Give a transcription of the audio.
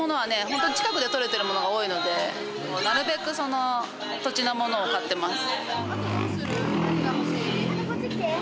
ホント近くでとれてるものが多いのでなるべくその土地のものを買ってます